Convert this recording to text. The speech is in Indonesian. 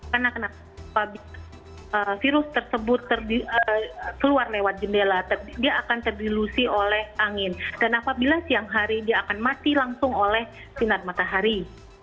karena virus tersebut keluar lewat jendela dia akan terdilusi oleh angin dan apabila siang hari dia akan mati langsung oleh sinar matahari